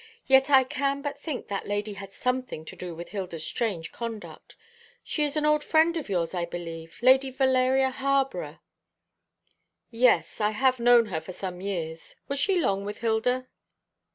"Yet I can but think that lady had something to do with Hilda's strange conduct. She is an old friend of yours, I believe Lady Valeria Harborough." "Yes, I have known her for some years. Was she long with Hilda?"